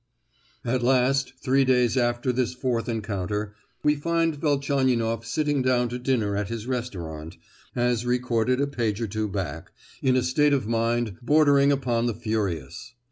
At last, three days after this fourth encounter, we find Velchaninoff sitting down to dinner at his restaurant, as recorded a page or two back, in a state of mind bordering upon the furious.